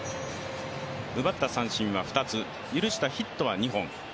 奪った三振は２つ許したヒットは２本。